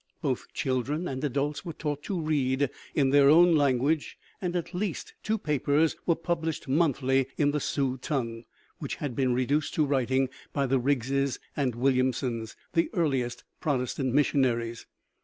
Both children and adults were taught to read in their own language, and at least two papers were published monthly in the Sioux tongue, which had been reduced to writing by the Riggses and Williamsons, the earliest Protestant missionaries.